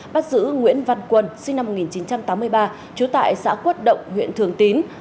bắt giữ nguyễn văn quân sinh năm một nghìn chín trăm tám mươi ba trú tại xã quất động huyện thường tín